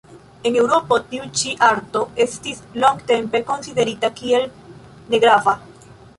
En Eŭropo, tiu ĉi arto estis longtempe konsiderita kiel negrava.